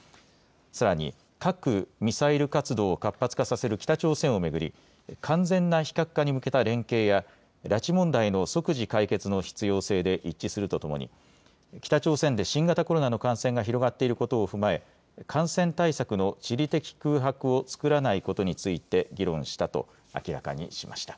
さらに、核・ミサイル活動を活発化させる北朝鮮を巡り、完全な非核化に向けた連携や、拉致問題の即時解決の必要性で一致するとともに、北朝鮮で新型コロナの感染が広がっていることを踏まえ、感染対策の地理的空白を作らないことについて議論したと明らかにしました。